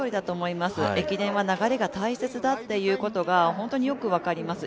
駅伝は流れが大切だということが本当によく分かります。